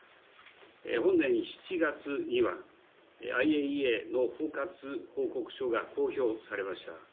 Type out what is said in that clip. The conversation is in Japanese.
本年７月にはＩＡＥＡの包括報告書が公表されました。